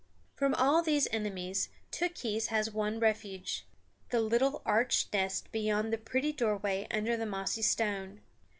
From all these enemies Tookhees has one refuge, the little arched nest beyond the pretty doorway under the mossy stone.